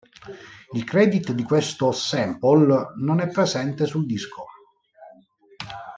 Il credit di questo sample non è presente sul disco.